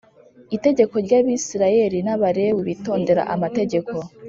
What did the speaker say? itegeko ry Abisirayeli n Abalewi bitondera amategeko